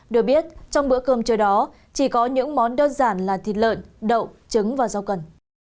được biết trong bữa cơm trưa đó chỉ có những món đơn giản là thịt lợn đậu trứng và rau cần